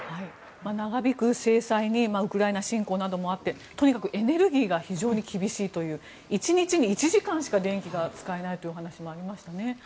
長引く制裁にウクライナ侵攻などもあってとにかくエネルギーが非常に厳しいという１日に１時間しか電気が使えないというお話がありましたね。